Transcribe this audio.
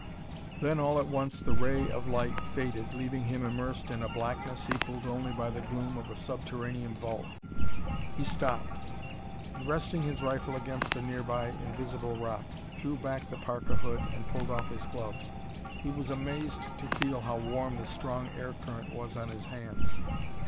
Then all at once the ray of light faded, leaving him immersed in a blackness equalled only by the gloom of a subterranean vault. He stopped and, resting his rifle against a nearby invisible rock, threw back the parka hood and pulled off his gloves. He was amazed to feel how warm the strong air current was on his hands.